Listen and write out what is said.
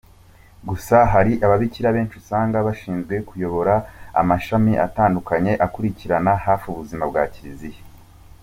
Gusa hari ababikira benshi usanga bashinzwe kuyobora amashami atandukanye akurikiranira hafi ubuzima bwa kiliziya.